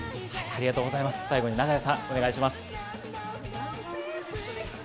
最後に長屋さん、お願いします。